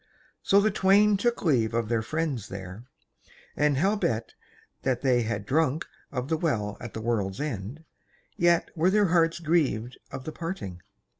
So the twain took leave of their friends there, and howbeit that they had drunk of the Well at the World's End, yet were their hearts grieved at the parting.